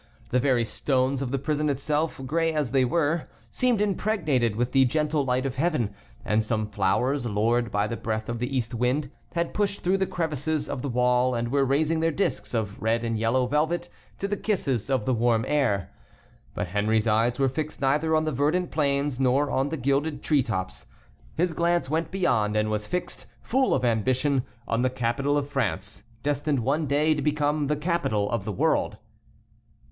The very stones of the prison itself, gray as they were, seemed impregnated with the gentle light of heaven, and some flowers, lured by the breath of the east wind, had pushed through the crevices of the wall, and were raising their disks of red and yellow velvet to the kisses of the warm air. But Henry's eyes were fixed neither on the verdant plains nor on the gilded tree tops. His glance went beyond, and was fixed, full of ambition, on the capital of France, destined one day to become the capital of the world.